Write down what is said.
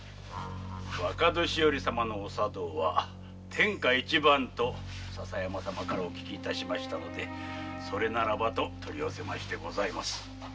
若年寄様のご茶道は天下一番と笹山様からお聞き致しましたのでそれならばと取り寄せましてございます。